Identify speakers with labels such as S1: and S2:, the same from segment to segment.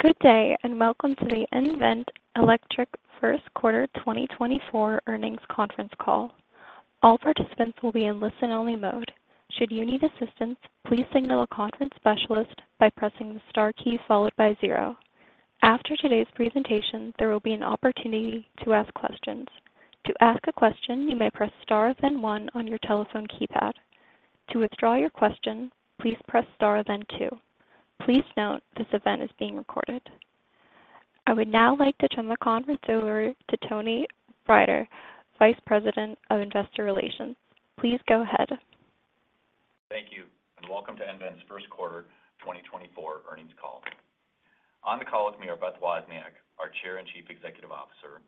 S1: Good day, and welcome to the nVent Electric Q1 2024 Earnings Conference Call. All participants will be in listen-only mode. Should you need assistance, please signal a conference specialist by pressing the star key followed by zero. After today's presentation, there will be an opportunity to ask questions. To ask a question, you may press star then one on your telephone keypad. To withdraw your question, please press star then two. Please note, this event is being recorded. I would now like to turn the conference over to Tony Riter, Vice President of Investor Relations. Please go ahead.
S2: Thank you, and welcome to nVent's Q1 2024 earnings call. On the call with me are Beth Wozniak, our Chair and Chief Executive Officer,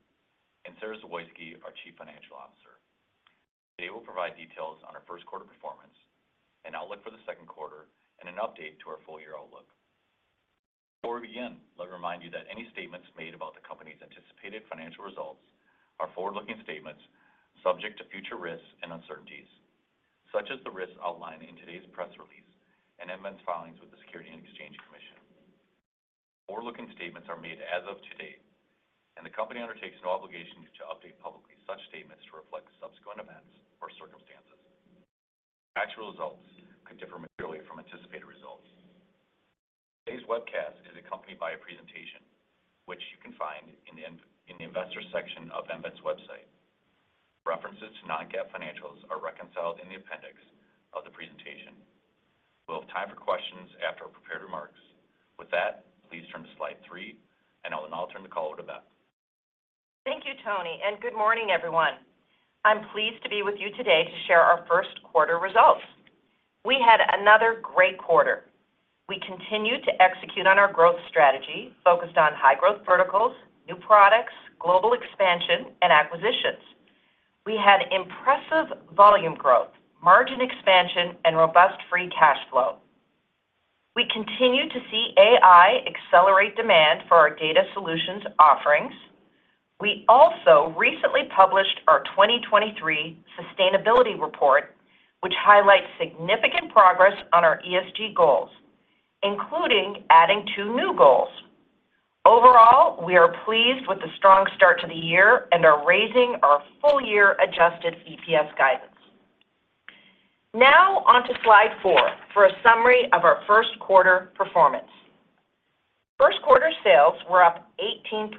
S2: and Sara Zawoyski, our Chief Financial Officer. They will provide details on our Q1 performance, an outlook for the Q2, and an update to our full-year outlook. Before we begin, let me remind you that any statements made about the company's anticipated financial results are forward-looking statements subject to future risks and uncertainties, such as the risks outlined in today's press release and nVent's filings with the Securities and Exchange Commission. Forward-looking statements are made as of today, and the company undertakes no obligation to update publicly such statements to reflect subsequent events or circumstances. Actual results could differ materially from anticipated results. Today's webcast is accompanied by a presentation, which you can find in the investor section of nVent's website. References to non-GAAP financials are reconciled in the appendix of the presentation. We'll have time for questions after prepared remarks. With that, please turn to slide three, and I will now turn the call over to Beth.
S3: Thank you, Tony, and good morning, everyone. I'm pleased to be with you today to share our Q1 results. We had another great quarter. We continued to execute on our growth strategy, focused on high-growth verticals, new products, global expansion, and acquisitions. We had impressive volume growth, margin expansion, and robust free cash flow. We continued to see AI accelerate demand for our data solutions offerings. We also recently published our 2023 sustainability report, which highlights significant progress on our ESG goals, including adding 2 new goals. Overall, we are pleased with the strong start to the year and are raising our full-year adjusted EPS guidance. Now on to slide four for a summary of our Q1 performance. Q1 sales were up 18%.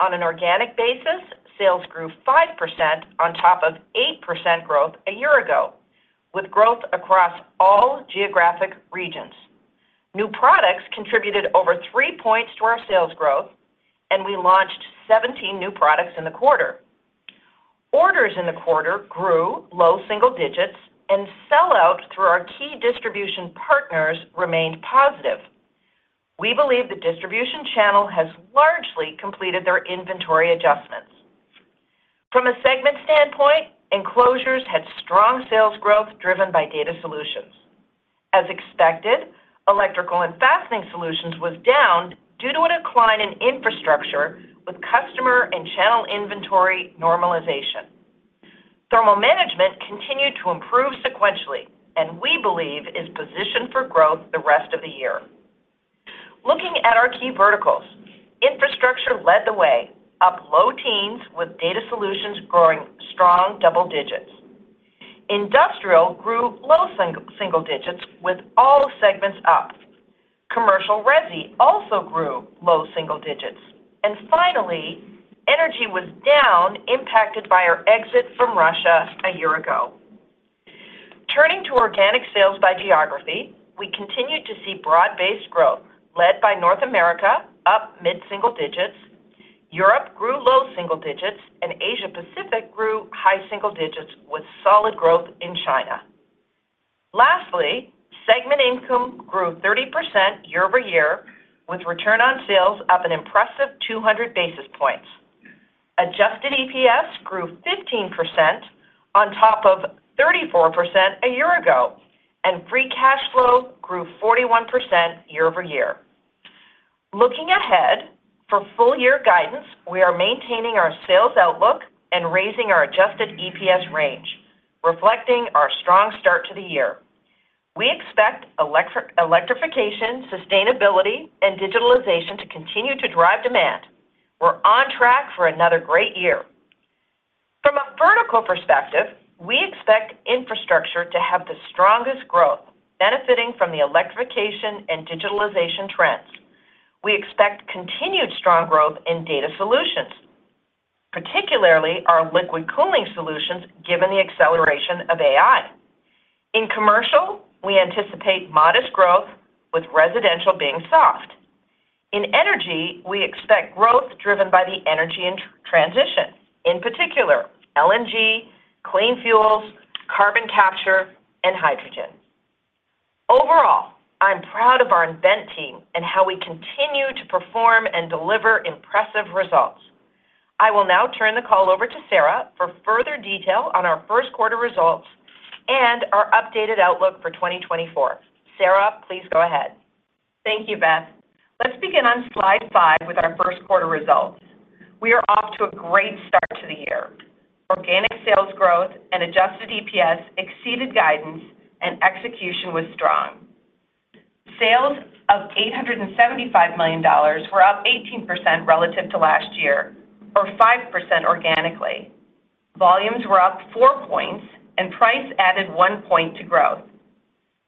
S3: On an organic basis, sales grew 5% on top of 8% growth a year ago, with growth across all geographic regions. New products contributed over 3 points to our sales growth, and we launched 17 new products in the quarter. Orders in the quarter grew low single digits, and sell-out through our key distribution partners remained positive. We believe the distribution channel has largely completed their inventory adjustments. From a segment standpoint, Enclosures had strong sales growth driven by Data Solutions. As expected, Electrical and Fastening Solutions was down due to a decline in infrastructure with customer and channel inventory normalization. Thermal Management continued to improve sequentially and we believe is positioned for growth the rest of the year. Looking at our key verticals, Infrastructure led the way, up low teens, with Data Solutions growing strong double digits. Industrial grew low single digits, with all segments up. Commercial resi also grew low single digits. Finally, energy was down, impacted by our exit from Russia a year ago. Turning to organic sales by geography, we continued to see broad-based growth led by North America, up mid-single digits. Europe grew low single digits, and Asia Pacific grew high single digits with solid growth in China. Lastly, segment income grew 30% year-over-year, with return on sales up an impressive 200 basis points. Adjusted EPS grew 15% on top of 34% a year ago, and free cash flow grew 41% year-over-year. Looking ahead, for full year guidance, we are maintaining our sales outlook and raising our adjusted EPS range, reflecting our strong start to the year. We expect electrification, sustainability, and digitalization to continue to drive demand. We're on track for another great year. From a vertical perspective, we expect infrastructure to have the strongest growth, benefiting from the electrification and digitalization trends. We expect continued strong growth in data solutions, particularly our liquid cooling solutions, given the acceleration of AI. In commercial, we anticipate modest growth, with residential being soft. In energy, we expect growth driven by the energy in transition, in particular, LNG, clean fuels, carbon capture, and hydrogen. Overall, I'm proud of our nVent team and how we continue to perform and deliver impressive results. I will now turn the call over to Sara for further detail on our Q1 results and our updated outlook for 2024. Sara, please go ahead.
S4: Thank you, Beth. Let's begin on slide five with our Q1 results. We are off to a great start to the year. Organic sales growth and adjusted EPS exceeded guidance and execution was strong. Sales of $875 million were up 18% relative to last year or 5% organically. Volumes were up 4 points and price added 1 point to growth.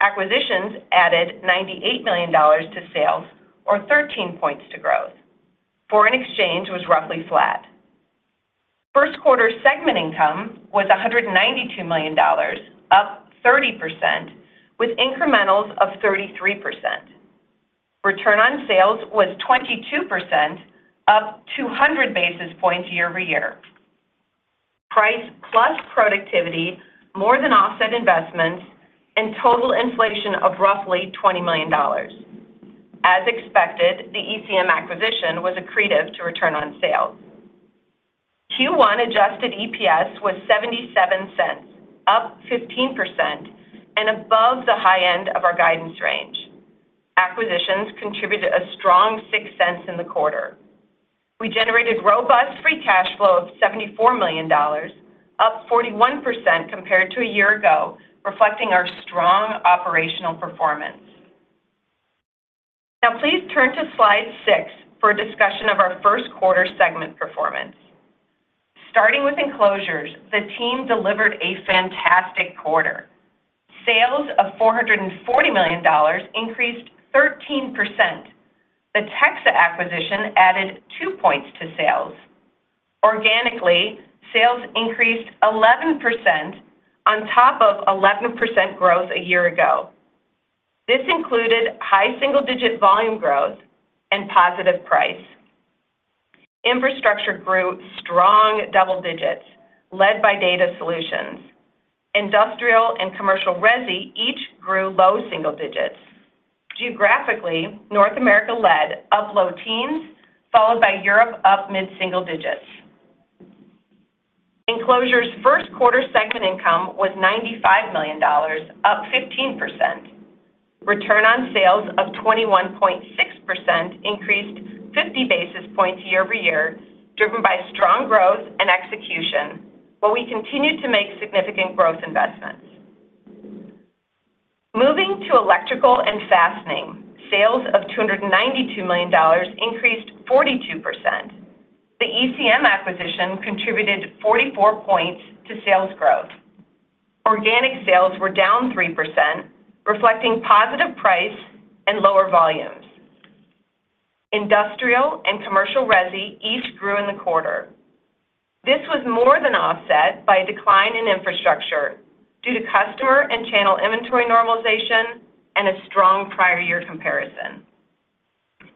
S4: Acquisitions added $98 million to sales or 13 points to growth. Foreign exchange was roughly flat. Q1 segment income was $192 million, up 30%, with incrementals of 33%. Return on sales was 22%, up 200 basis points year-over-year. Price plus productivity more than offset investments and total inflation of roughly $20 million. As expected, the ECM acquisition was accretive to return on sales. Q1 adjusted EPS was $0.77, up 15%, and above the high end of our guidance range. Acquisitions contributed a strong $0.06 in the quarter. We generated robust free cash flow of $74 million, up 41% compared to a year ago, reflecting our strong operational performance. Now, please turn to slide 6 for a discussion of our Q1 segment performance. Starting with Enclosures, the team delivered a fantastic quarter. Sales of $440 million increased 13%. The TEXA acquisition added two points to sales. Organically, sales increased 11% on top of 11% growth a year ago. This included high single-digit volume growth and positive price. Infrastructure grew strong double digits, led by Data Solutions. Industrial and commercial resi each grew low single digits. Geographically, North America led up low teens, followed by Europe, up mid single digits. Enclosures Q1 segment income was $95 million, up 15%. Return on sales of 21.6% increased 50 basis points year-over-year, driven by strong growth and execution, while we continued to make significant growth investments. Moving to Electrical and Fastening, sales of $292 million increased 42%. The ECM acquisition contributed 44 points to sales growth. Organic sales were down 3%, reflecting positive price and lower volumes. Industrial and commercial residential each grew in the quarter. This was more than offset by a decline in infrastructure due to customer and channel inventory normalization and a strong prior year comparison.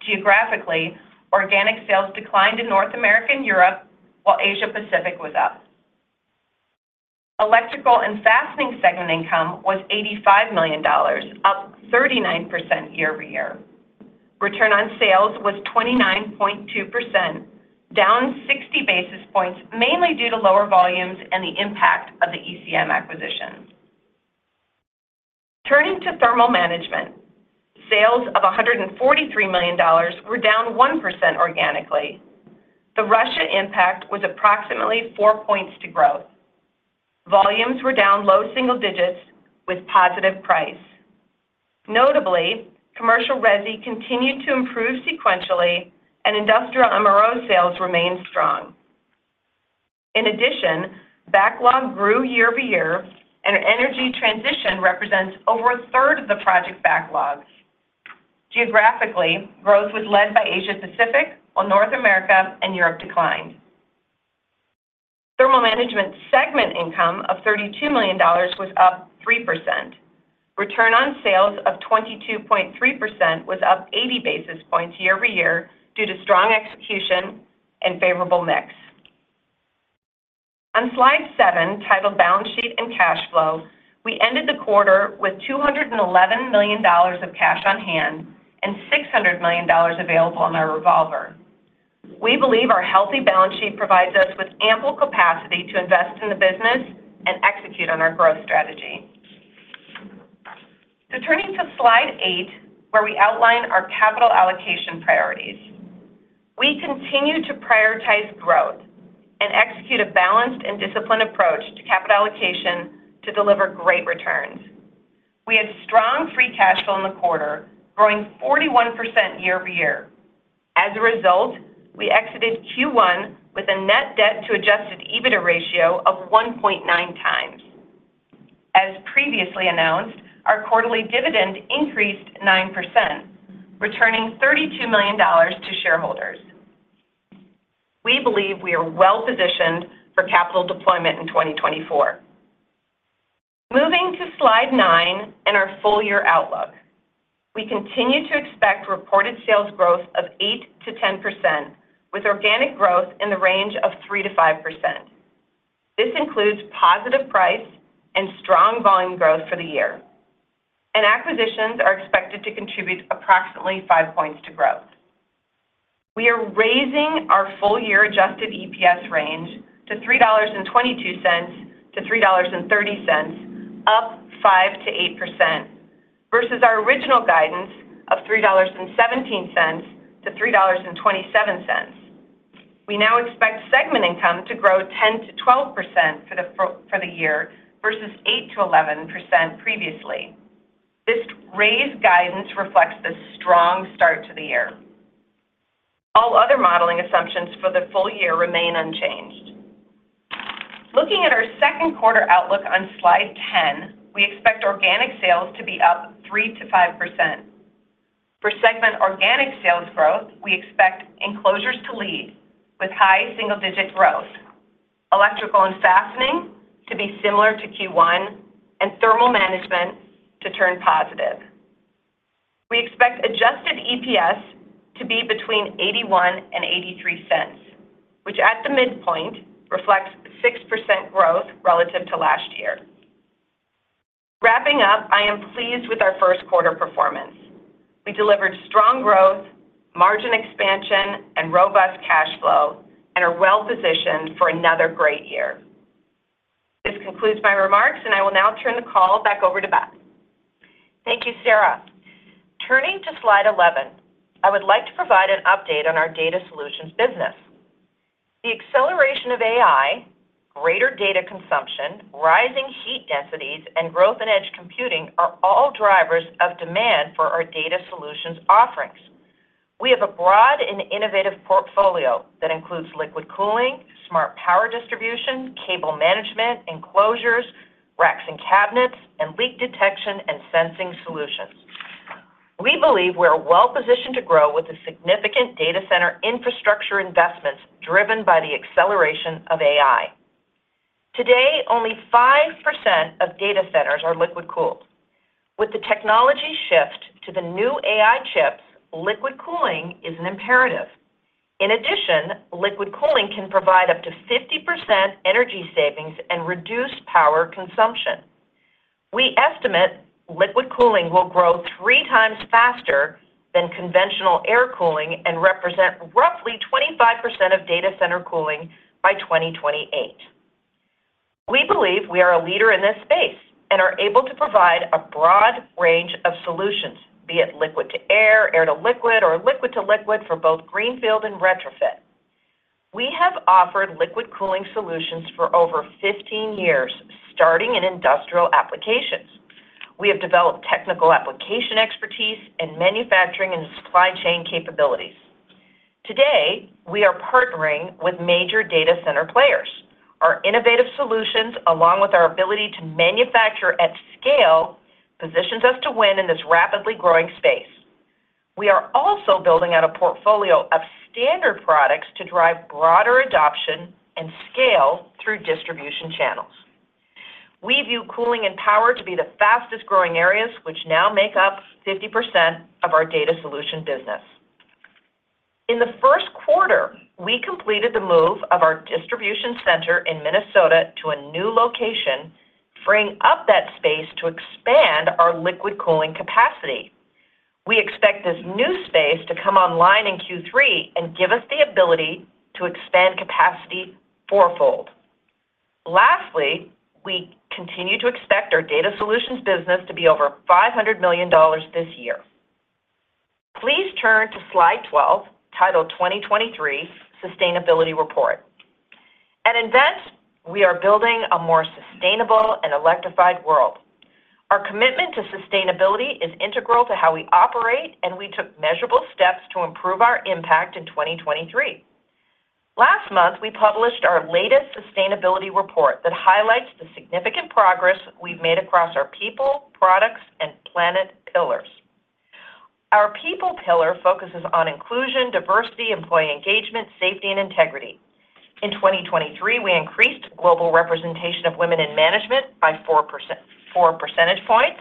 S4: Geographically, organic sales declined in North America and Europe, while Asia-Pacific was up. Electrical and Fastening segment income was $85 million, up 39% year-over-year. Return on sales was 29.2%, down 60 basis points, mainly due to lower volumes and the impact of the ECM acquisition. Turning to Thermal Management, sales of $143 million were down 1% organically. The Russia impact was approximately four points to growth. Volumes were down low single digits with positive price. Notably, commercial resi continued to improve sequentially and industrial MRO sales remained strong. In addition, backlog grew year-over-year, and Energy in Transition represents over a third of the project backlog. Geographically, growth was led by Asia-Pacific, while North America and Europe declined. Thermal Management segment income of $32 million was up 3%. Return on sales of 22.3% was up 80 basis points year-over-year due to strong execution and favorable mix. On slide seven, titled Balance Sheet and Cash Flow, we ended the quarter with $211 million of cash on hand and $600 million available on our revolver. We believe our healthy balance sheet provides us with ample capacity to invest in the business and execute on our growth strategy. Turning to slide eight, where we outline our capital allocation priorities. We continue to prioritize growth and execute a balanced and disciplined approach to capital allocation to deliver great returns. We had strong free cash flow in the quarter, growing 41% year-over-year. As a result, we exited Q1 with a net debt to Adjusted EBITDA ratio of 1.9x. As previously announced, our quarterly dividend increased 9%, returning $32 million to shareholders. We believe we are well-positioned for capital deployment in 2024. Moving to slide nine and our full-year outlook. We continue to expect reported sales growth of 8%-10%, with organic growth in the range of 3%-5%. This includes positive price and strong volume growth for the year, and acquisitions are expected to contribute approximately 5 points to growth. We are raising our full-year Adjusted EPS range to $3.22-$3.30, up 5%-8%... our original guidance of $3.17-$3.27. We now expect segment income to grow 10%-12% for the year, versus 8%-11% previously. This raised guidance reflects the strong start to the year. All other modeling assumptions for the full year remain unchanged. Looking at our Q2 outlook on slide 10, we expect organic sales to be up 3%-5%. For segment organic sales growth, we expect enclosures to lead with high single-digit growth, electrical and fastening to be similar to Q1, and thermal management to turn positive. We expect adjusted EPS to be between $0.81 and $0.83, which at the midpoint reflects 6% growth relative to last year. Wrapping up, I am pleased with our Q1 performance. We delivered strong growth, margin expansion, and robust cash flow, and are well-positioned for another great year. This concludes my remarks, and I will now turn the call back over to Beth.
S3: Thank you, Sara. Turning to slide 11, I would like to provide an update on our data solutions business. The acceleration of AI, greater data consumption, rising heat densities, and growth in edge computing are all drivers of demand for our data solutions offerings. We have a broad and innovative portfolio that includes liquid cooling, smart power distribution, cable management, enclosures, racks and cabinets, and leak detection and sensing solutions. We believe we're well-positioned to grow with the significant data center infrastructure investments driven by the acceleration of AI. Today, only 5% of data centers are liquid-cooled. With the technology shift to the new AI chips, liquid cooling is an imperative. In addition, liquid cooling can provide up to 50% energy savings and reduce power consumption. We estimate liquid cooling will grow 3x faster than conventional air cooling and represent roughly 25% of data center cooling by 2028. We believe we are a leader in this space and are able to provide a broad range of solutions, be it liquid to air, air to liquid, or liquid to liquid for both greenfield and retrofit. We have offered liquid cooling solutions for over 15 years, starting in industrial applications. We have developed technical application expertise in manufacturing and supply chain capabilities. Today, we are partnering with major data center players. Our innovative solutions, along with our ability to manufacture at scale, positions us to win in this rapidly growing space. We are also building out a portfolio of standard products to drive broader adoption and scale through distribution channels. We view cooling and power to be the fastest-growing areas, which now make up 50% of our Data Solutions business. In the Q1, we completed the move of our distribution center in Minnesota to a new location, freeing up that space to expand our liquid cooling capacity. We expect this new space to come online in Q3 and give us the ability to expand capacity fourfold. Lastly, we continue to expect our Data Solutions business to be over $500 million this year. Please turn to slide 12, titled 2023 Sustainability Report. At nVent, we are building a more sustainable and electrified world. Our commitment to sustainability is integral to how we operate, and we took measurable steps to improve our impact in 2023. Last month, we published our latest sustainability report that highlights the significant progress we've made across our people, products, and planet pillars. Our people pillar focuses on inclusion, diversity, employee engagement, safety, and integrity. In 2023, we increased global representation of women in management by 4%-4 percentage points,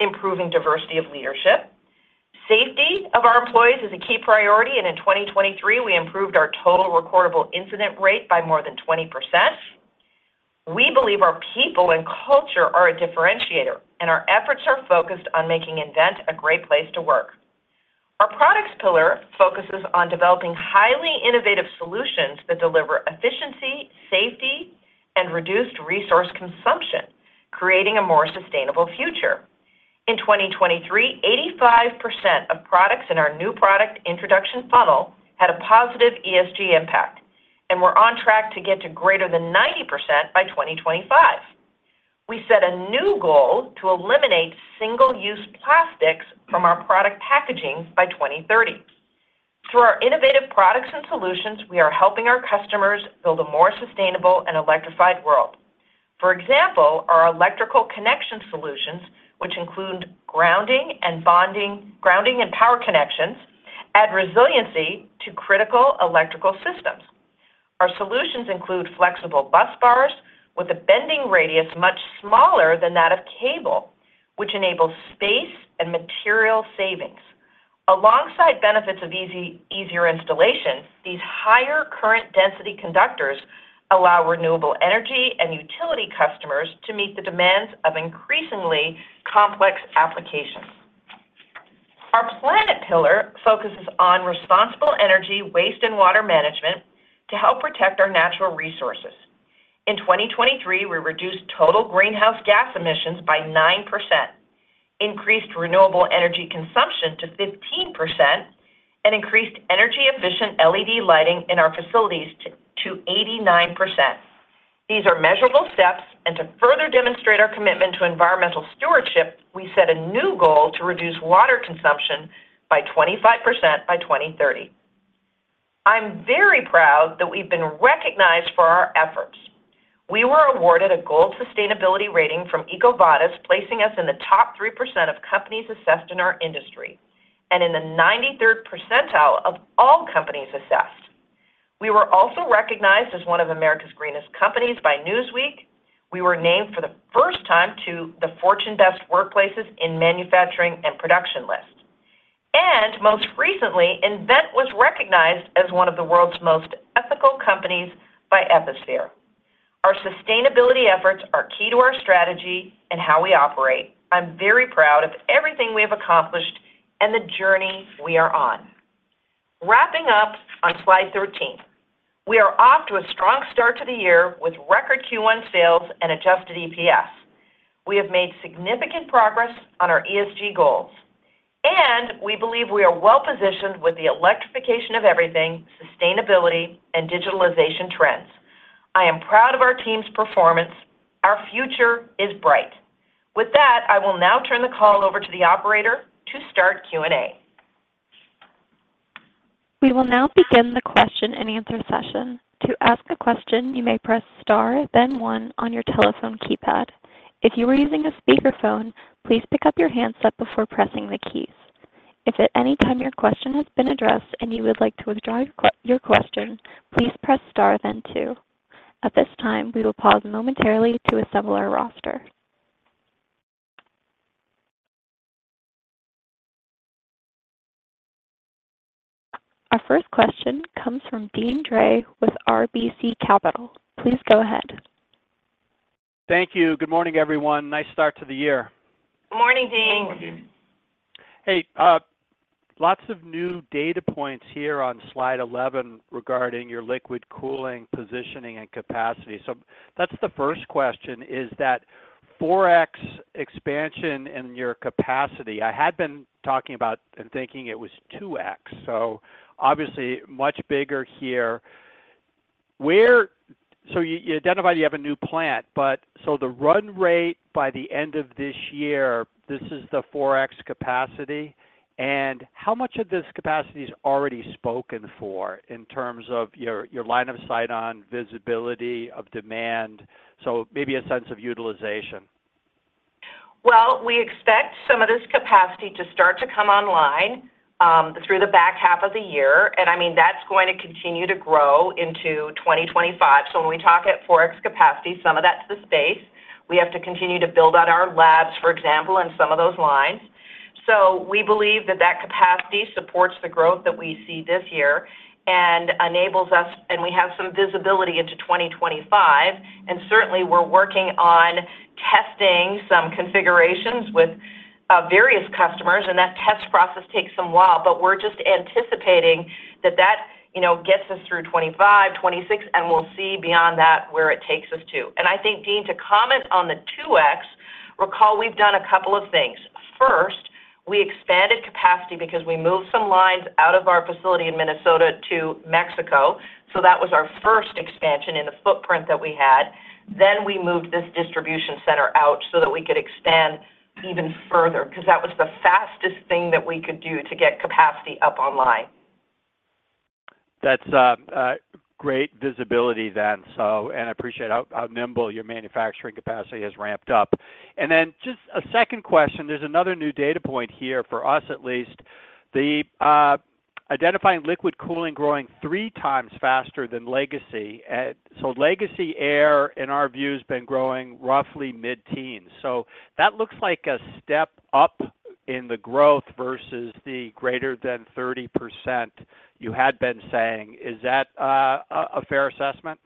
S3: improving diversity of leadership. Safety of our employees is a key priority, and in 2023, we improved our total recordable incident rate by more than 20%. We believe our people and culture are a differentiator, and our efforts are focused on making nVent a great place to work. Our products pillar focuses on developing highly innovative solutions that deliver efficiency, safety, and reduced resource consumption, creating a more sustainable future. In 2023, 85% of products in our new product introduction funnel had a positive ESG impact, and we're on track to get to greater than 90% by 2025. We set a new goal to eliminate single-use plastics from our product packaging by 2030. Through our innovative products and solutions, we are helping our customers build a more sustainable and electrified world. For example, our electrical connection solutions, which include grounding and bonding, grounding and power connections, add resiliency to critical electrical systems. Our solutions include flexible bus bars with a bending radius much smaller than that of cable, which enables space and material savings. Alongside benefits of easier installation, these higher current density conductors allow renewable energy and utility customers to meet the demands of increasingly complex applications.... Our planet pillar focuses on responsible energy, waste, and water management to help protect our natural resources. In 2023, we reduced total greenhouse gas emissions by 9%, increased renewable energy consumption to 15%, and increased energy-efficient LED lighting in our facilities to 89%. These are measurable steps, and to further demonstrate our commitment to environmental stewardship, we set a new goal to reduce water consumption by 25% by 2030. I'm very proud that we've been recognized for our efforts. We were awarded a Gold Sustainability rating from EcoVadis, placing us in the top 3% of companies assessed in our industry and in the 93rd percentile of all companies assessed. We were also recognized as one of America's greenest companies by Newsweek. We were named for the first time to the Fortune Best Workplaces in Manufacturing and Production list. Most recently, nVent was recognized as one of the world's most ethical companies by Ethisphere. Our sustainability efforts are key to our strategy and how we operate. I'm very proud of everything we have accomplished and the journey we are on. Wrapping up on slide 13, we are off to a strong start to the year with record Q1 sales and adjusted EPS. We have made significant progress on our ESG goals, and we believe we are well positioned with the electrification of everything, sustainability, and digitalization trends. I am proud of our team's performance. Our future is bright. With that, I will now turn the call over to the operator to start Q&A.
S1: We will now begin the question-and-answer session. To ask a question, you may press Star, then one on your telephone keypad. If you are using a speakerphone, please pick up your handset before pressing the keys. If at any time your question has been addressed and you would like to withdraw your question, please press Star, then two. At this time, we will pause momentarily to assemble our roster. Our first question comes from Deane Dray with RBC Capital. Please go ahead.
S5: Thank you. Good morning, everyone. Nice start to the year.
S3: Good morning, Deane.
S1: Good morning.
S5: Hey, lots of new data points here on slide 11 regarding your liquid cooling, positioning, and capacity. So that's the first question: is that 4x expansion in your capacity? I had been talking about and thinking it was 2x, so obviously much bigger here. So you, you identify you have a new plant, but so the run rate by the end of this year, this is the 4x capacity, and how much of this capacity is already spoken for in terms of your, your line of sight on visibility of demand? So maybe a sense of utilization.
S3: Well, we expect some of this capacity to start to come online through the back half of the year, and, I mean, that's going to continue to grow into 2025. So when we talk at 4x capacity, some of that's the space. We have to continue to build out our labs, for example, and some of those lines. So we believe that that capacity supports the growth that we see this year and enables us and we have some visibility into 2025, and certainly we're working on testing some configurations with various customers, and that test process takes some while, but we're just anticipating that that, you know, gets us through 2025, 2026, and we'll see beyond that where it takes us to. And I think, Deane, to comment on the 2x, recall we've done a couple of things. First, we expanded capacity because we moved some lines out of our facility in Minnesota to Mexico. So that was our first expansion in the footprint that we had. Then we moved this distribution center out so that we could expand even further, because that was the fastest thing that we could do to get capacity up online.
S5: That's a great visibility then, so, and I appreciate how, how nimble your manufacturing capacity has ramped up. Then just a second question. There's another new data point here for us at least. The identifying liquid cooling growing three times faster than legacy. So legacy air, in our view, has been growing roughly mid-teens. That looks like a step up in the growth versus the greater than 30% you had been saying. Is that a fair assessment?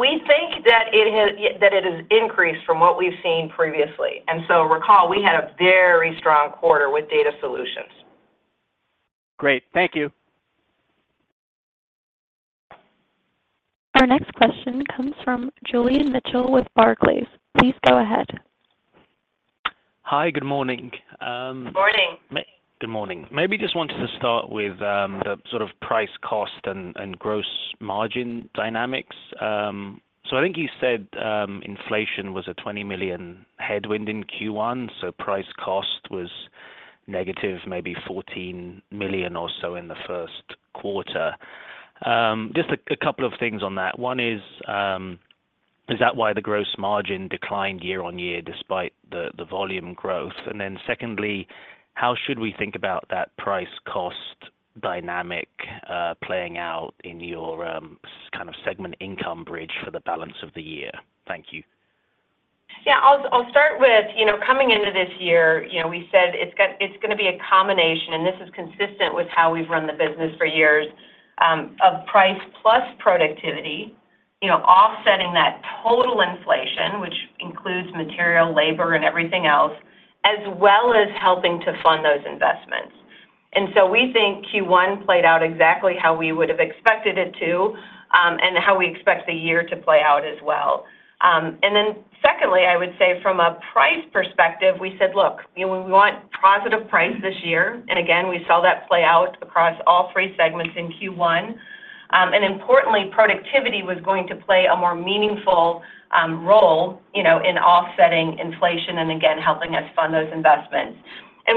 S3: We think that it has, that it has increased from what we've seen previously, and so recall, we had a very strong quarter with Data Solutions.
S5: Great. Thank you.
S1: Our next question comes from Julian Mitchell with Barclays. Please go ahead.
S6: Hi, good morning.
S3: Good morning.
S6: Good morning. Maybe just wanted to start with the sort of price, cost, and gross margin dynamics. So I think you said inflation was a $20 million headwind in Q1, so price cost was negative, maybe $14 million or so in the Q1. Just a couple of things on that. One is, is that why the gross margin declined year-over-year despite the volume growth? And then secondly, how should we think about that price cost dynamic playing out in your kind of segment income bridge for the balance of the year? Thank you.
S4: Yeah, I'll start with, you know, coming into this year, you know, we said it's gonna be a combination, and this is consistent with how we've run the business for years, of price plus productivity.... you know, offsetting that total inflation, which includes material, labor, and everything else, as well as helping to fund those investments. And so we think Q1 played out exactly how we would have expected it to, and how we expect the year to play out as well. And then secondly, I would say from a price perspective, we said, look, you know, we want positive price this year. And again, we saw that play out across all three segments in Q1. And importantly, productivity was going to play a more meaningful role, you know, in offsetting inflation and again, helping us fund those investments.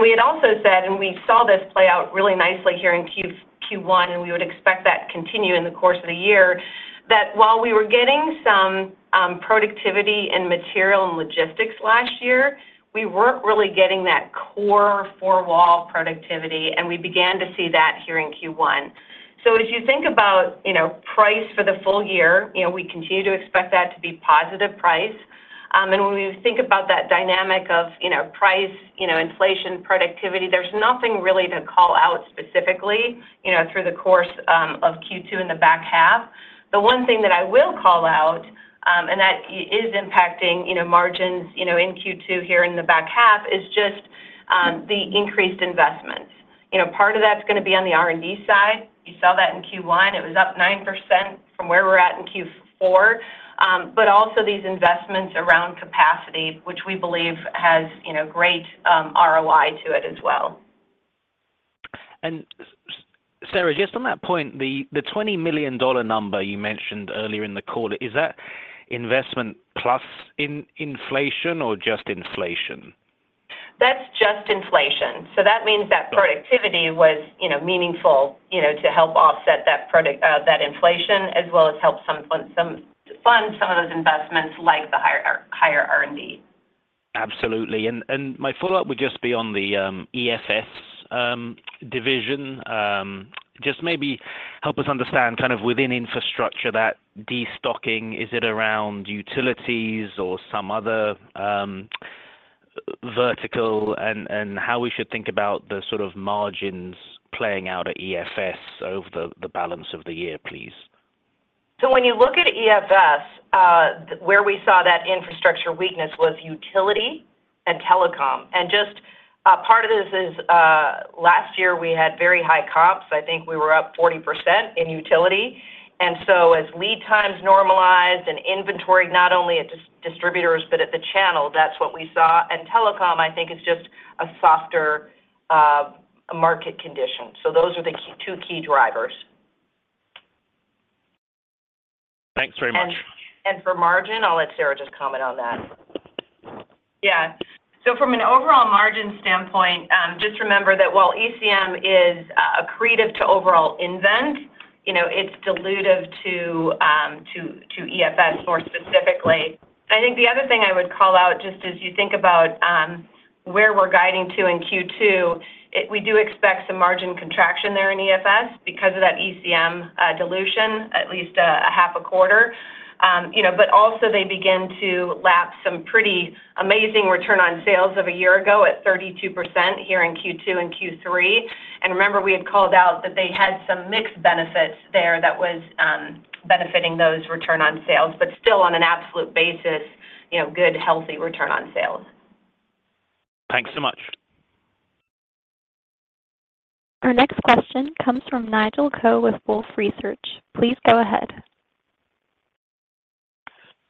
S4: We had also said, and we saw this play out really nicely here in Q1, and we would expect that to continue in the course of the year, that while we were getting some productivity in material and logistics last year, we weren't really getting that core four wall productivity, and we began to see that here in Q1. So as you think about, you know, price for the full year, you know, we continue to expect that to be positive price. And when we think about that dynamic of, you know, price, you know, inflation, productivity, there's nothing really to call out specifically, you know, through the course of Q2 in the back half. The one thing that I will call out, and that is impacting, you know, margins, you know, in Q2 here in the back half, is just the increased investments. You know, part of that's gonna be on the R&D side. You saw that in Q1. It was up 9% from where we're at in Q4, but also these investments around capacity, which we believe has, you know, great, ROI to it as well.
S6: Sara, just on that point, the $20 million number you mentioned earlier in the quarter, is that investment plus inflation or just inflation?
S4: That's just inflation. So that means that productivity was, you know, meaningful, you know, to help offset that inflation, as well as help some fund some of those investments, like the higher R&D.
S6: Absolutely. And my follow-up would just be on the EFS division. Just maybe help us understand kind of within infrastructure, that destocking, is it around utilities or some other vertical, and how we should think about the sort of margins playing out at EFS over the balance of the year, please?
S3: So when you look at EFS, where we saw that infrastructure weakness was utility and telecom. And just part of this is last year we had very high comps. I think we were up 40% in utility. And so as lead times normalized and inventory, not only at distributors, but at the channel, that's what we saw. And telecom, I think, is just a softer market condition. So those are the key two key drivers.
S6: Thanks very much.
S3: For margin, I'll let Sara just comment on that.
S4: Yeah. So from an overall margin standpoint, just remember that while ECM is accretive to overall nVent, you know, it's dilutive to EFS more specifically. I think the other thing I would call out, just as you think about where we're guiding to in Q2, we do expect some margin contraction there in EFS because of that ECM dilution, at least half a quarter. You know, but also they begin to lap some pretty amazing return on sales of a year ago at 32% here in Q2 and Q3. And remember, we had called out that they had some mixed benefits there that was benefiting those return on sales, but still on an absolute basis, you know, good, healthy return on sales.
S6: Thanks so much.
S1: Our next question comes from Nigel Coe with Wolfe Research. Please go ahead.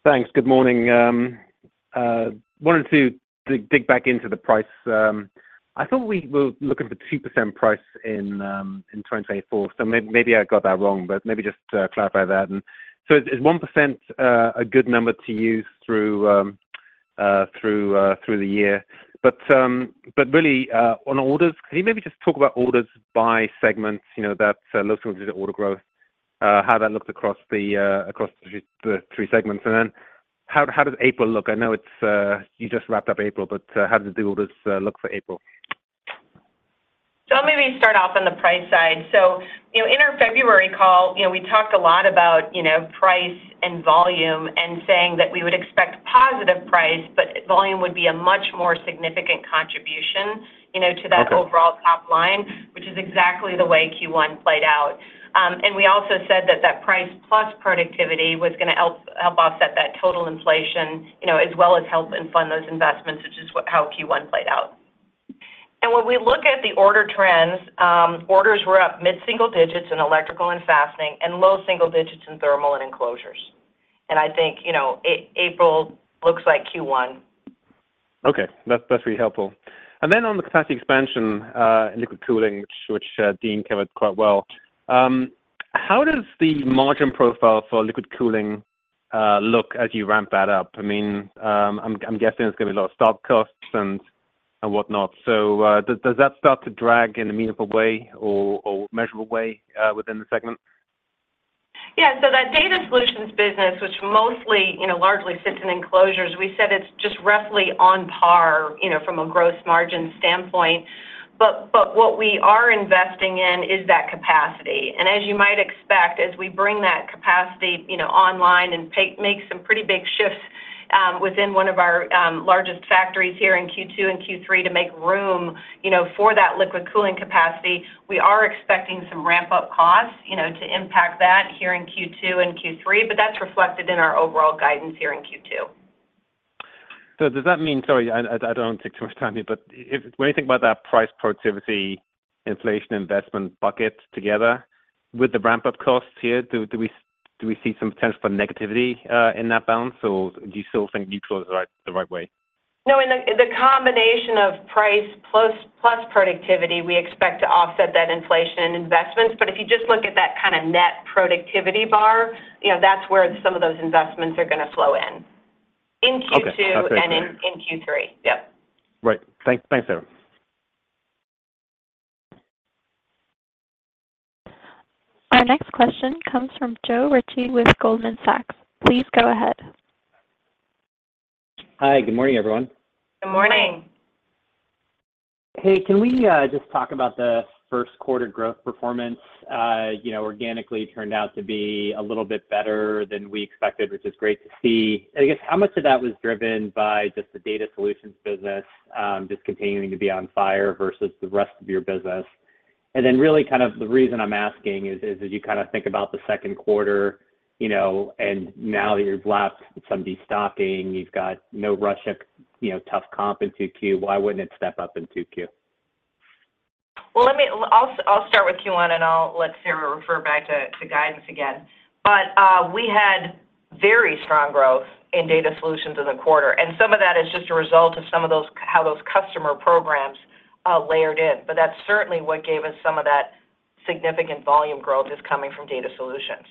S7: Thanks. Good morning, wanted to dig back into the price. I thought we were looking for 2% price in 2024, so maybe I got that wrong, but maybe just clarify that. And so is 1% a good number to use through the year? But really, on orders, can you maybe just talk about orders by segments, you know, that looks into the order growth, how that looks across the three segments? And then how does April look? I know it's you just wrapped up April, but how did the orders look for April?
S3: Let me start off on the price side. So, you know, in our February call, you know, we talked a lot about, you know, price and volume and saying that we would expect positive price, but volume would be a much more significant contribution, you know-
S7: Okay.
S3: -to that overall top line, which is exactly the way Q1 played out. And we also said that that price plus productivity was gonna help offset that total inflation, you know, as well as help and fund those investments, which is how Q1 played out. And when we look at the order trends, orders were up mid-single digits in Electrical and Fastening and low single digits in Thermal and Enclosures. And I think, you know, April looks like Q1.
S7: Okay, that's, that's really helpful. And then on the capacity expansion, in liquid cooling, which Deane covered quite well, how does the margin profile for liquid cooling look as you ramp that up? I mean, I'm, I'm guessing there's gonna be a lot of stock costs and whatnot. So, does, does that start to drag in a meaningful way or measurable way within the segment?
S3: Yeah, so that Data Solutions business, which mostly, you know, largely sits in Enclosures, we said it's just roughly on par, you know, from a growth margin standpoint. But what we are investing in is that capacity. And as you might expect, as we bring that capacity, you know, online and make some pretty big shifts-... within one of our largest factories here in Q2 and Q3 to make room, you know, for that liquid cooling capacity. We are expecting some ramp-up costs, you know, to impact that here in Q2 and Q3, but that's reflected in our overall guidance here in Q2.
S7: So does that mean—Sorry, I don't want to take too much time here, but when you think about that price productivity, inflation, investment bucket together, with the ramp-up costs here, do we see some potential for negativity in that balance? Or do you still think neutral is the right way?
S3: No, in the combination of price plus productivity, we expect to offset that inflation and investments. But if you just look at that kind of net productivity bar, you know, that's where some of those investments are going to flow in.
S7: Okay.
S3: In Q2-
S7: That's great.
S3: and in Q3. Yep.
S7: Right. Thanks. Thanks, Sara.
S1: Our next question comes from Joe Ritchie with Goldman Sachs. Please go ahead.
S8: Hi, good morning, everyone.
S3: Good morning.
S4: Good morning.
S8: Hey, can we just talk about the Q1 growth performance? You know, organically turned out to be a little bit better than we expected, which is great to see. I guess, how much of that was driven by just the Data Solutions business, just continuing to be on fire versus the rest of your business? And then really, kind of the reason I'm asking is, is as you kind of think about the Q2, you know, and now that you've lapsed some destocking, you've got no Russia, you know, tough comp in Q2, why wouldn't it step up in Q2?
S3: Well, let me... I'll, I'll start with Q1, and I'll let Sara refer back to, to guidance again. But, we had very strong growth in Data Solutions in the quarter, and some of that is just a result of some of those—how those customer programs, layered in. But that's certainly what gave us some of that significant volume growth is coming from Data Solutions.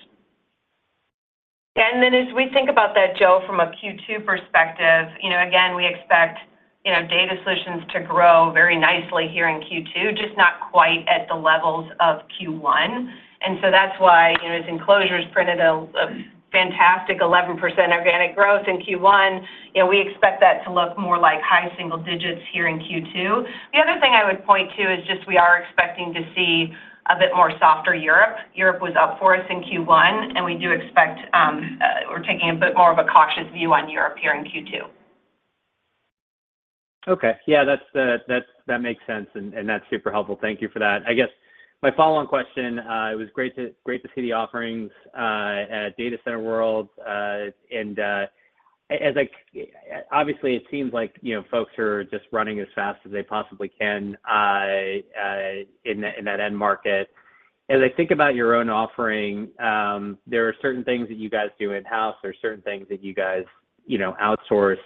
S4: Then as we think about that, Joe, from a Q2 perspective, you know, again, we expect, you know, data solutions to grow very nicely here in Q2, just not quite at the levels of Q1. And so that's why, you know, as Enclosures printed a fantastic 11% organic growth in Q1, you know, we expect that to look more like high single digits here in Q2. The other thing I would point to is just we are expecting to see a bit more softer Europe. Europe was up for us in Q1, and we do expect we're taking a bit more of a cautious view on Europe here in Q2.
S8: Okay. Yeah, that makes sense, and that's super helpful. Thank you for that. I guess my follow-on question, it was great to see the offerings at Data Center World, and as I obviously, it seems like, you know, folks are just running as fast as they possibly can in that end market. As I think about your own offering, there are certain things that you guys do in-house, there are certain things that you guys, you know, outsource.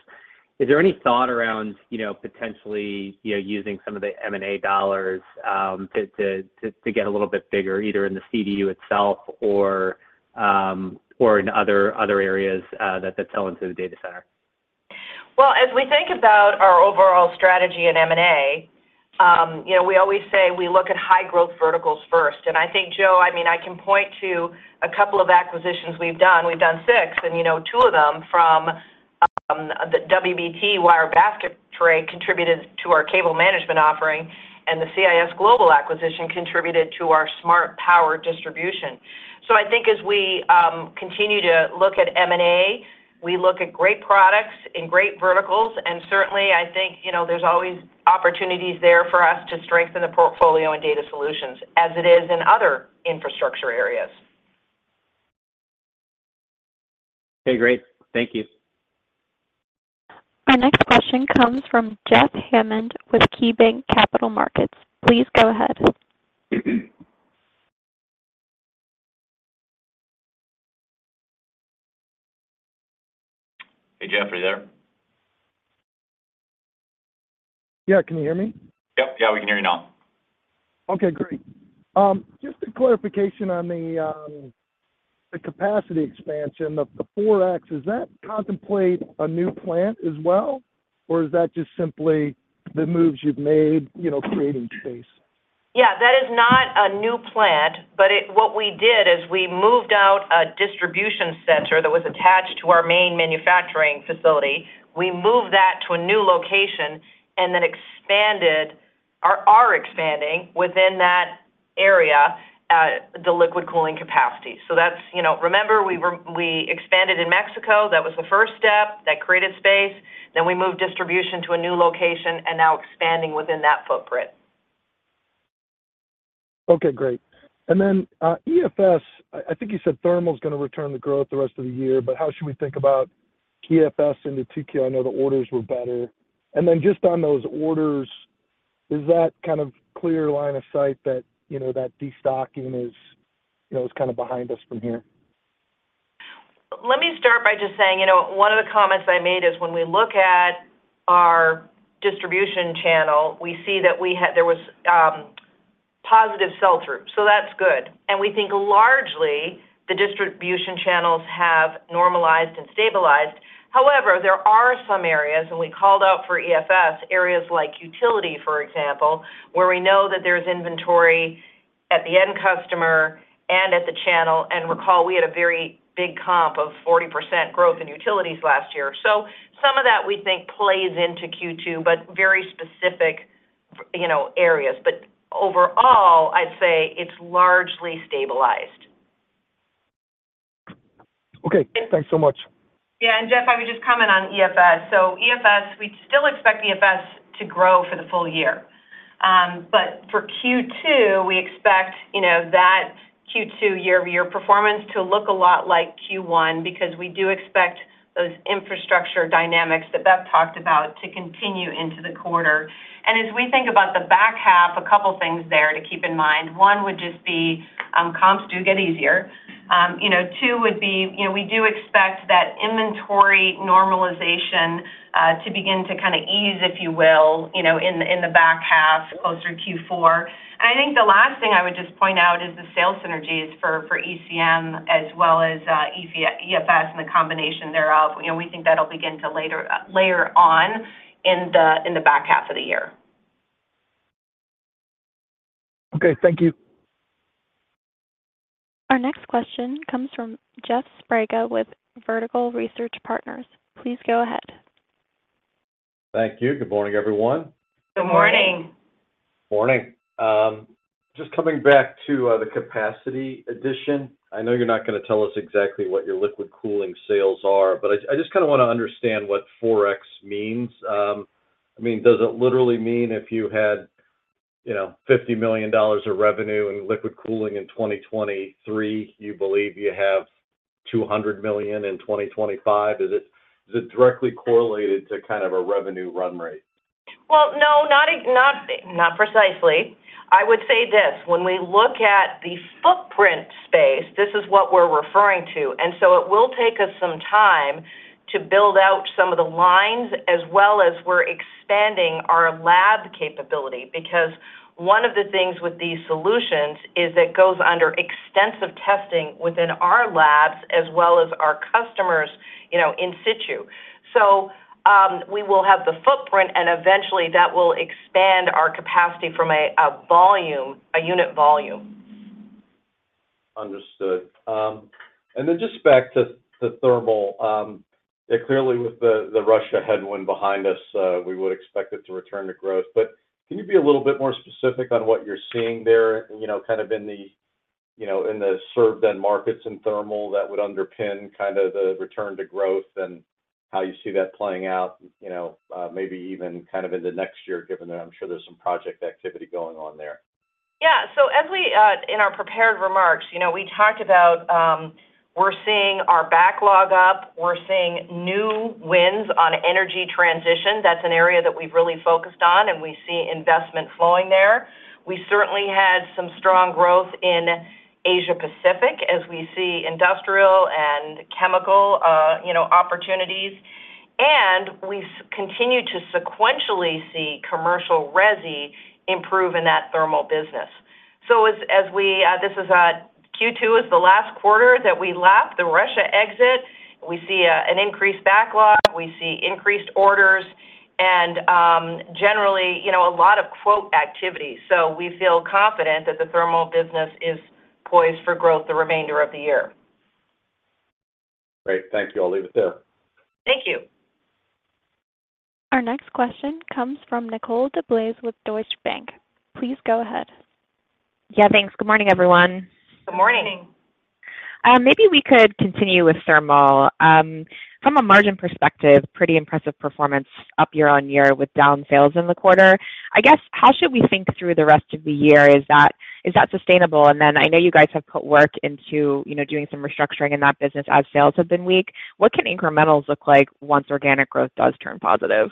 S8: Is there any thought around, you know, potentially, you know, using some of the M&A dollars to get a little bit bigger, either in the CDU itself or in other areas that sell into the data center?
S3: Well, as we think about our overall strategy in M&A, you know, we always say we look at high growth verticals first. I think, Joe, I mean, I can point to a couple of acquisitions we've done. We've done six, and, you know, two of them from the WBT, Wire Basket Tray, contributed to our cable management offering, and the CIS Global acquisition contributed to our smart power distribution. I think as we continue to look at M&A, we look at great products and great verticals, and certainly, I think, you know, there's always opportunities there for us to strengthen the portfolio and data solutions as it is in other infrastructure areas.
S8: Okay, great. Thank you.
S1: Our next question comes from Jeff Hammond with KeyBanc Capital Markets. Please go ahead.
S3: Hey, Jeff, are you there?
S9: Yeah, can you hear me?
S3: Yep. Yeah, we can hear you now.
S9: Okay, great. Just a clarification on the capacity expansion, the 4x, does that contemplate a new plant as well, or is that just simply the moves you've made, you know, creating space?
S3: Yeah, that is not a new plant, but, what we did is we moved out a distribution center that was attached to our main manufacturing facility. We moved that to a new location and then expanded or are expanding within that area, the liquid cooling capacity. So that's, you know, remember, we expanded in Mexico. That was the first step. That created space. Then we moved distribution to a new location and now expanding within that footprint.
S9: Okay, great. And then, EFS, I, I think you said thermal is going to return to growth the rest of the year, but how should we think about EFS into 2Q? I know the orders were better. And then just on those orders, is that kind of clear line of sight that, you know, that destocking is, you know, is kind of behind us from here?
S3: Let me start by just saying, you know, one of the comments I made is when we look at our distribution channel, we see that we had... There was positive sell-through, so that's good. And we think largely the distribution channels have normalized and stabilized. However, there are some areas, and we called out for EFS, areas like utility, for example, where we know that there's inventory at the end customer and at the channel, and recall, we had a very big comp of 40% growth in utilities last year. So some of that we think plays into Q2, but very specific, you know, areas. But overall, I'd say it's largely stabilized....
S9: Okay, thanks so much.
S4: Yeah, and Jeff, I would just comment on EFS. So EFS, we still expect EFS to grow for the full year. But for Q2, we expect, you know, that Q2 year-over-year performance to look a lot like Q1, because we do expect those infrastructure dynamics that Beth talked about to continue into the quarter. And as we think about the back half, a couple things there to keep in mind. One would just be, comps do get easier. You know, two would be, you know, we do expect that inventory normalization to begin to kind of ease, if you will, you know, in the back half closer to Q4. And I think the last thing I would just point out is the sales synergies for ECM as well as EFS and the combination thereof. You know, we think that'll begin to layer on in the back half of the year.
S9: Okay, thank you.
S1: Our next question comes from Jeff Sprague with Vertical Research Partners. Please go ahead.
S10: Thank you. Good morning, everyone.
S4: Good morning.
S3: Good morning.
S10: Morning. Just coming back to the capacity addition. I know you're not going to tell us exactly what your liquid cooling sales are, but I, I just kind of want to understand what 4x means. I mean, does it literally mean if you had, you know, $50 million of revenue in liquid cooling in 2023, you believe you have $200 million in 2025? Is it, is it directly correlated to kind of a revenue run rate?
S3: Well, no, not precisely. I would say this, when we look at the footprint space, this is what we're referring to, and so it will take us some time to build out some of the lines, as well as we're expanding our lab capability. Because one of the things with these solutions is it goes under extensive testing within our labs as well as our customers, you know, in situ. So, we will have the footprint, and eventually that will expand our capacity from a volume, a unit volume.
S10: Understood. And then just back to the thermal, clearly with the Russia headwind behind us, we would expect it to return to growth. But can you be a little bit more specific on what you're seeing there, you know, kind of in the, you know, in the served end markets in thermal that would underpin kind of the return to growth and how you see that playing out, you know, maybe even kind of in the next year, given that I'm sure there's some project activity going on there?
S3: Yeah. So as we, in our prepared remarks, you know, we talked about, we're seeing our backlog up. We're seeing new wins on energy transition. That's an area that we've really focused on, and we see investment flowing there. We certainly had some strong growth in Asia Pacific as we see industrial and chemical, you know, opportunities, and we continue to sequentially see commercial resi improve in that thermal business. So as we, this is, Q2 is the last quarter that we lapped the Russia exit. We see, an increased backlog, we see increased orders and, generally, you know, a lot of quote activity. So we feel confident that the thermal business is poised for growth the remainder of the year.
S10: Great. Thank you. I'll leave it there.
S3: Thank you.
S1: Our next question comes from Nicole DeBlase with Deutsche Bank. Please go ahead.
S11: Yeah, thanks. Good morning, everyone.
S4: Good morning.
S3: Good morning.
S11: Maybe we could continue with thermal. From a margin perspective, pretty impressive performance up year on year with down sales in the quarter. I guess, how should we think through the rest of the year? Is that, is that sustainable? And then I know you guys have put work into, you know, doing some restructuring in that business as sales have been weak. What can incrementals look like once organic growth does turn positive?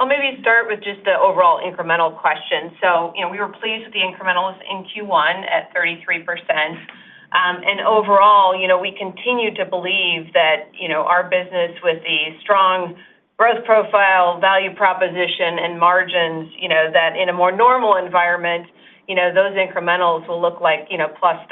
S4: I'll maybe start with just the overall incremental question. So, you know, we were pleased with the incrementals in Q1 at 33%. And overall, you know, we continue to believe that, you know, our business with the strong growth profile, value proposition, and margins, you know, that in a more normal environment, you know, those incrementals will look like, you know, +30%.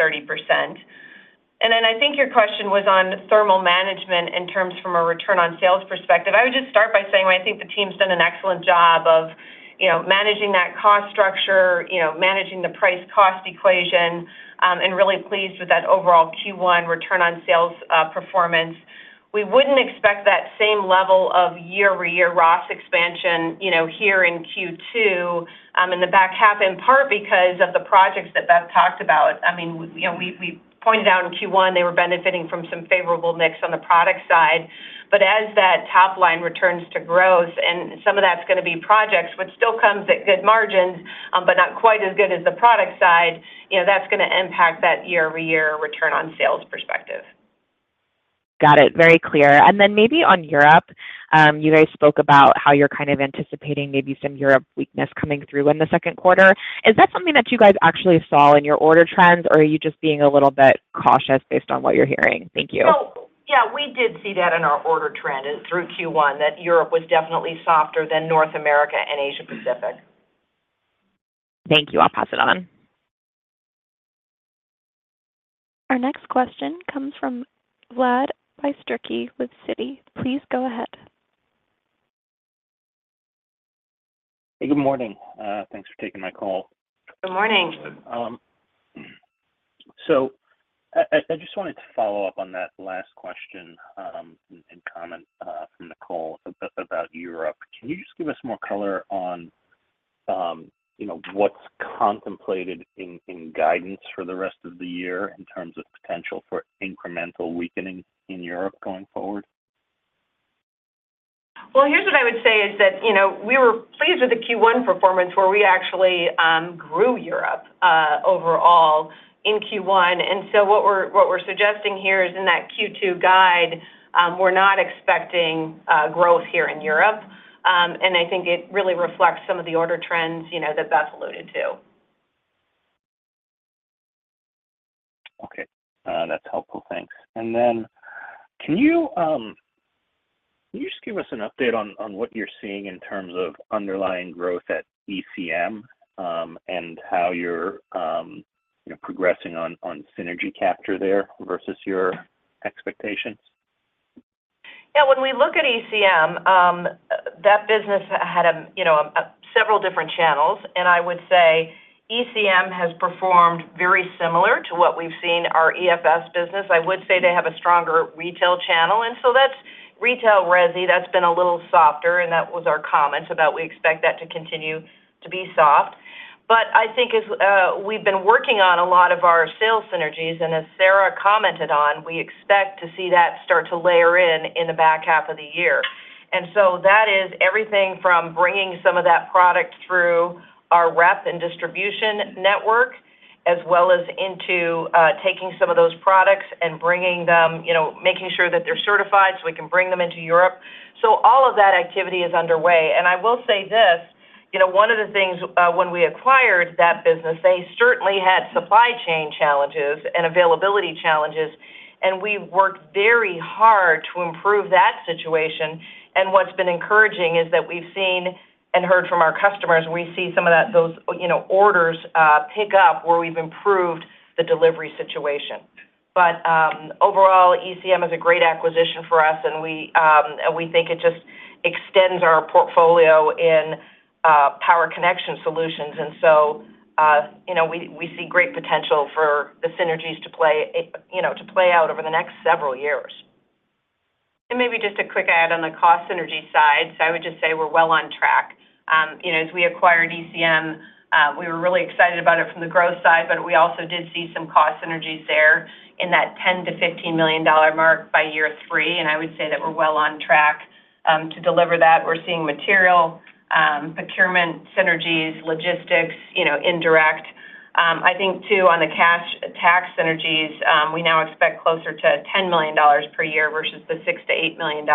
S4: And then I think your question was on thermal management in terms from a return on sales perspective. I would just start by saying I think the team's done an excellent job of, you know, managing that cost structure, you know, managing the price-cost equation, and really pleased with that overall Q1 return on sales performance. We wouldn't expect that same level of year-over-year ROAS expansion, you know, here in Q2, in the back half, in part because of the projects that Beth talked about. I mean, you know, we, we pointed out in Q1, they were benefiting from some favorable mix on the product side. But as that top line returns to growth, and some of that's going to be projects, which still comes at good margins, but not quite as good as the product side, you know, that's going to impact that year-over-year return on sales perspective.
S11: Got it. Very clear. And then maybe on Europe, you guys spoke about how you're kind of anticipating maybe some Europe weakness coming through in the Q2. Is that something that you guys actually saw in your order trends, or are you just being a little bit cautious based on what you're hearing? Thank you.
S3: So, yeah, we did see that in our order trend through Q1, that Europe was definitely softer than North America and Asia Pacific.
S11: Thank you. I'll pass it on.
S1: Our next question comes from Vlad Bystricky with Citigroup. Please go ahead.
S12: Good morning. Thanks for taking my call.
S3: Good morning.
S12: So I just wanted to follow up on that last question and comment from Nicole about Europe. Can you just give us more color on-... you know, what's contemplated in guidance for the rest of the year in terms of potential for incremental weakening in Europe going forward?
S4: Well, here's what I would say is that, you know, we were pleased with the Q1 performance, where we actually grew Europe overall in Q1. And so what we're suggesting here is in that Q2 guide, we're not expecting growth here in Europe. And I think it really reflects some of the order trends, you know, that Beth alluded to.
S12: Okay, that's helpful. Thanks. And then can you, can you just give us an update on, on what you're seeing in terms of underlying growth at ECM, and how you're, you know, progressing on, on synergy capture there versus your expectations?
S3: Yeah, when we look at ECM, that business had, you know, several different channels, and I would say ECM has performed very similar to what we've seen our EFS business. I would say they have a stronger retail channel, and so that's retail resi, that's been a little softer, and that was our comment, about we expect that to continue to be soft. But I think as, we've been working on a lot of our sales synergies, and as Sara commented on, we expect to see that start to layer in in the back half of the year. And so that is everything from bringing some of that product through our rep and distribution network, as well as into, taking some of those products and bringing them... You know, making sure that they're certified, so we can bring them into Europe. So all of that activity is underway. And I will say this, you know, one of the things, when we acquired that business, they certainly had supply chain challenges and availability challenges, and we worked very hard to improve that situation. And what's been encouraging is that we've seen and heard from our customers, we see some of that, those, you know, orders pick up where we've improved the delivery situation. But overall, ECM is a great acquisition for us, and we think it just extends our portfolio in power connection solutions. And so, you know, we see great potential for the synergies to play, you know, to play out over the next several years.
S4: Maybe just a quick add on the cost synergy side. I would just say we're well on track. You know, as we acquired ECM, we were really excited about it from the growth side, but we also did see some cost synergies there in that $10-$15 million mark by year three, and I would say that we're well on track to deliver that. We're seeing material procurement synergies, logistics, you know, indirect. I think too, on the cash tax synergies, we now expect closer to $10 million per year versus the $6-$8 million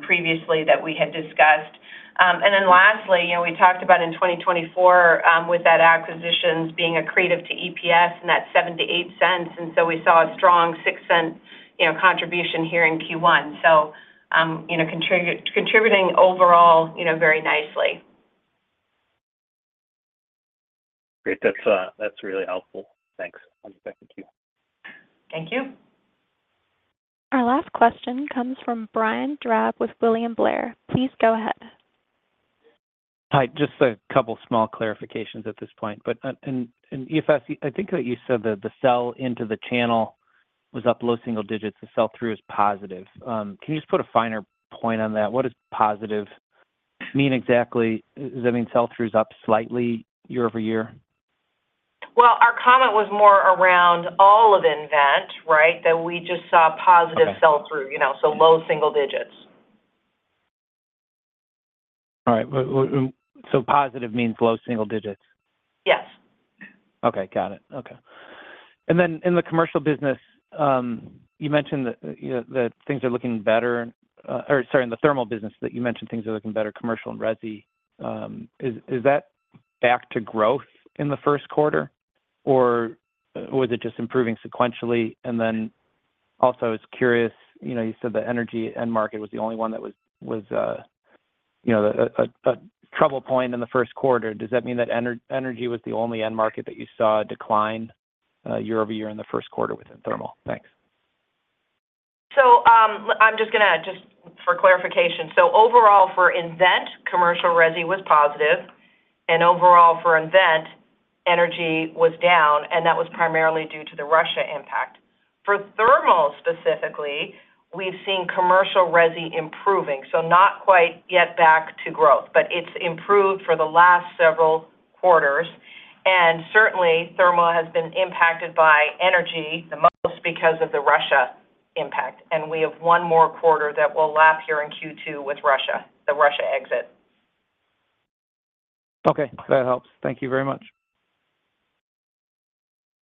S4: previously that we had discussed. And then lastly, you know, we talked about in 2024, with those acquisitions being accretive to EPS and that $0.07-$0.08, and so we saw a strong $0.06, you know, contribution here in Q1. So, you know, contributing overall, you know, very nicely.
S12: Great. That's, that's really helpful. Thanks. I'll get back to you.
S3: Thank you.
S1: Our last question comes from Brian Drab with William Blair. Please go ahead.
S13: Hi, just a couple small clarifications at this point, but in EFS, I think that you said that the sell into the channel was up low single digits, the sell-through is positive. Can you just put a finer point on that? What does positive mean exactly? Does that mean sell-through is up slightly year-over-year?
S4: Well, our comment was more around all of nVent, right? That we just saw positive-
S13: Okay.
S4: sell-through, you know, so low single digits.
S13: All right. Well, so positive means low single digits?
S4: Yes.
S13: Okay, got it. Okay. And then in the commercial business, you mentioned that, you know, that things are looking better, or sorry, in the thermal business, that you mentioned things are looking better, commercial and resi. Is that back to growth in the Q1, or was it just improving sequentially? And then also, I was curious, you know, you said the energy end market was the only one that was a trouble point in the Q1. Does that mean that energy was the only end market that you saw a decline, year-over-year in the Q1 within thermal? Thanks.
S3: So, I'm just gonna add, just for clarification. So overall for nVent, commercial resi was positive, and overall for nVent, energy was down, and that was primarily due to the Russia impact. For thermal specifically, we've seen commercial resi improving, so not quite yet back to growth, but it's improved for the last several quarters. And certainly, thermal has been impacted by energy the most because of the Russia impact. And we have one more quarter that will lap here in Q2 with Russia, the Russia exit.
S13: Okay, that helps. Thank you very much.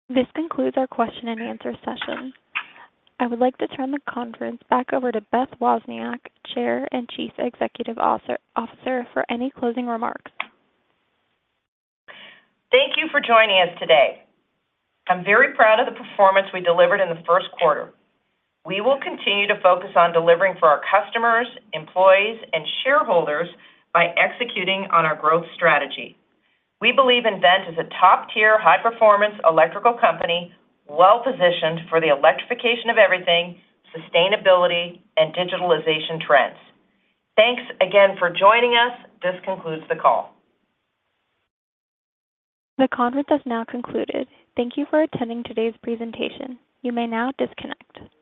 S1: This concludes our question and answer session. I would like to turn the conference back over to Beth Wozniak, Chair and Chief Executive Officer, for any closing remarks.
S3: Thank you for joining us today. I'm very proud of the performance we delivered in the Q1. We will continue to focus on delivering for our customers, employees, and shareholders by executing on our growth strategy. We believe nVent is a top-tier, high-performance electrical company, well positioned for the electrification of everything, sustainability, and digitalization trends. Thanks again for joining us. This concludes the call.
S1: The conference has now concluded. Thank you for attending today's presentation. You may now disconnect.